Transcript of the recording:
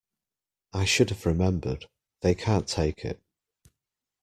I should have remembered, they can't take it.